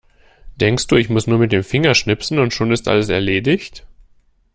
Denkst du, ich muss nur mit dem Finger schnipsen und schon ist alles erledigt?